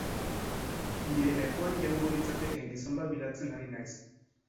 Nire lekuan joango litzatekeen gizon bat bilatzen ari naiz.